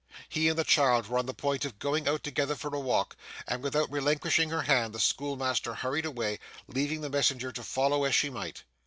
He and the child were on the point of going out together for a walk, and without relinquishing her hand, the schoolmaster hurried away, leaving the messenger to follow as she might.